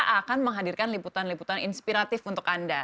akan menghadirkan liputan liputan inspiratif untuk anda